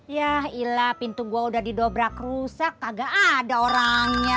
yah ilah pintu gue udah didobrak rusak kagak ada orangnya